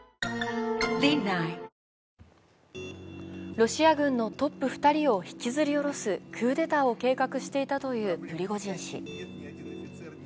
ロシア軍のトップ２人を引きずりおろすクーデータを計画していたというプリゴジン氏。